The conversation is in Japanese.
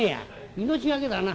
「命懸けだな」。